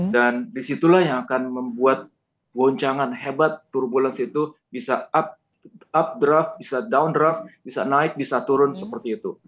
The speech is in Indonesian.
dan disitulah yang akan membuat goncangan hebat turbulensi itu bisa up draft bisa down draft bisa naik bisa turun seperti itu